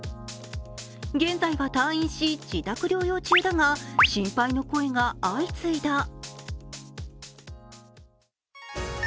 現在は退院し、自宅療養中だが心配の声が相次いだ。